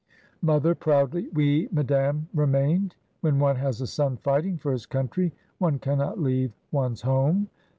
Mother {proudly), "We, madame, remained. When one has a son fighting for his country, one cannot leave one's home."